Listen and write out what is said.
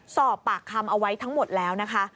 สอบปากคำเอาไว้ทั้งหมดแล้วนะคะ